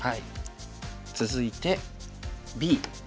続いてＢ。